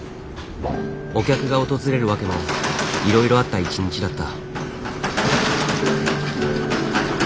お客が訪れるワケもいろいろあった１日だった。